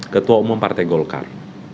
ketua umum partai golkar